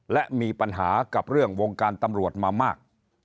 และมีปัญหากับเรื่องวงการตำรวจมามาก